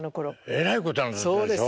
えらいことになったでしょ？